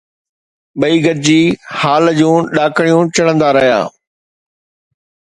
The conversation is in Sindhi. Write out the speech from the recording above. ٻئي گڏجي هال جون ڏاڪڻيون چڙهندا رهيا